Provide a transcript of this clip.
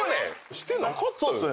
してなかったよ。